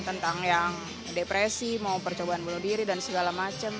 tentang yang depresi mau percobaan bunuh diri dan segala macam